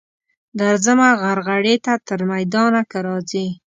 درځمه غرغړې ته تر میدانه که راځې.